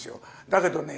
だけどね